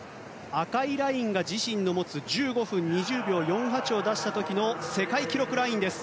赤いラインが自身の持つ１５分２０秒４８を出した時の世界記録ラインです。